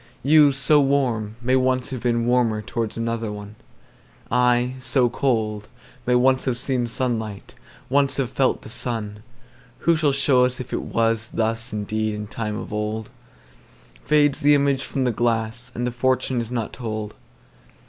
You, so warm, may once have beenWarmer towards another one:I, so cold, may once have seenSunlight, once have felt the sun:Who shall show us if it wasThus indeed in time of old? Fades the image from the glass, And the fortune is not told.